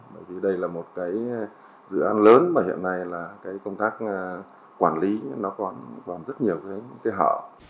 bởi vì đây là một dự án lớn mà hiện nay công tác quản lý còn rất nhiều cái hở